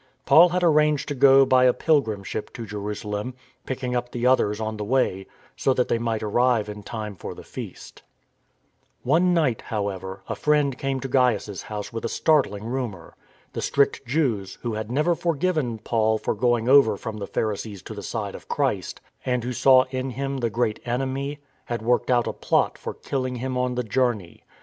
Paul had arranged to go by a pilgrim ship to Jerusalem, picking up the others on the way so that they might arrive in time for the Feast. One night, however, a friend came to Gaius's house with a startling rumour. The strict Jews, who had never forgiven Paul for going over from the Phari THE FOILED PLOT 273 sees to the side of Christ and who saw in him the great enemy, had worked out a plot for kilhng him on the journey.